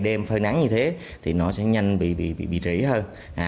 đêm phơi nắng như thế thì nó sẽ nhanh bị trễ hơn